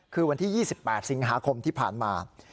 คือวันที่๒๘สิงหาคมที่ผ่านมา